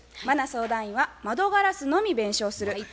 茉奈相談員は「窓ガラスのみ弁償する」